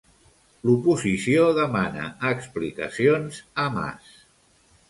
L'oposició demana explicacions a Mas.